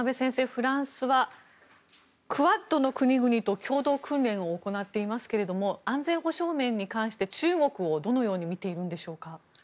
フランスはクアッドの国々と共同訓練を行っていますが安全保障面に関して中国をどのように見ているんでしょうか。